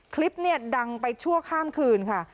คลิปเนี่ยดังไปชั่วข้ามคืนค่ะ